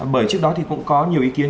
bởi trước đó thì cũng có nhiều ý kiến